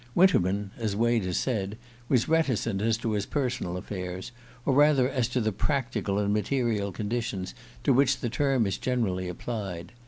Winterman, as Wade had said, was reticent as to his personal affairs, or rather as to the practical and material conditions to which the term is generally applied.